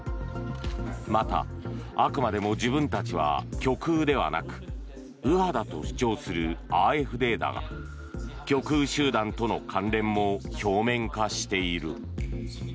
また、あくまでも自分たちは極右ではなく右派だと主張するＡｆＤだが極右集団との関連も表面化している。